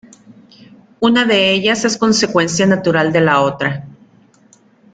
Una de ellas es la consecuencia natural de la otra.